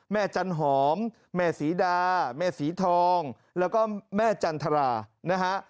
จันหอมแม่ศรีดาแม่ศรีทองแล้วก็แม่จันทรานะฮะ